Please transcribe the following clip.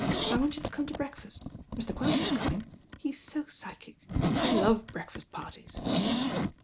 I want you to come to breakfast. Mr. Quelch is coming. He's so psy chic. I love breakfast parties."